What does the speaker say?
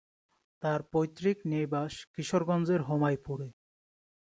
তার পৈতৃক নিবাস কিশোরগঞ্জের হোমাইপুরে।